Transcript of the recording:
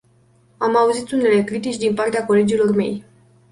Am auzit unele critici din partea colegilor mei.